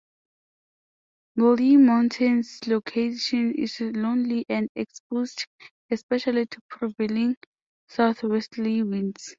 Murley Mountain's location is lonely and exposed, especially to prevailing southwesterly winds.